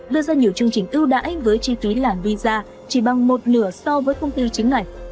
đưa ra nhiều chương trình ưu đãi với chi phí làm visa chỉ bằng một nửa so với công ty chính này